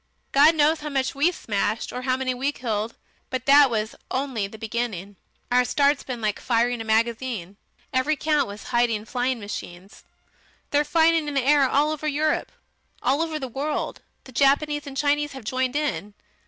God knows how much we smashed or how many we killed. But that was only the beginning. Our start's been like firing a magazine. Every country was hiding flying machines. They're fighting in the air all over Europe all over the world. The Japanese and Chinese have joined in.